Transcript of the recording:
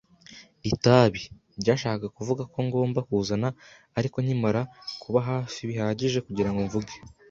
itabi, ryashakaga kuvuga ko ngomba kuzana; ariko nkimara kuba hafi bihagije kugirango mvuge